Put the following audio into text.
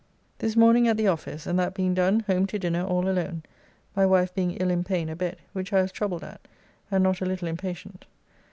This morning at the office, and, that being done, home to dinner all alone, my wife being ill in pain a bed, which I was troubled at, and not a little impatient.